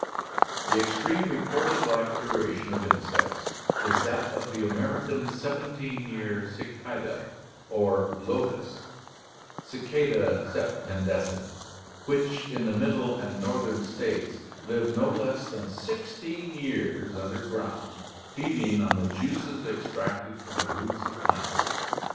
The extreme recorded life duration of insects is that of the Amer ican seventeen year cicadas or "locusts" (Cicada scptendecim) which in the middle and northern states live no less than sixteen years' underground, feeding on the juices extracted from the roots of plants.